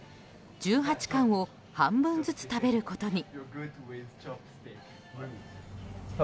１８貫を半分ずつ食べることに。